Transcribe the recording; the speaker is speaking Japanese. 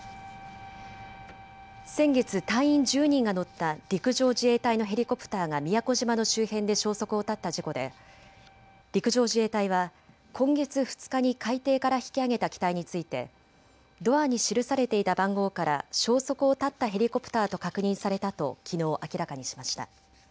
先月、隊員１０人が乗った陸上自衛隊のヘリコプターが宮古島の周辺で消息を絶った事故で陸上自衛隊は今月２日に海底から引き揚げた機体についてドアに記されていた番号から消息を絶ったヘリコプターと確認されたときのう明らかにしました。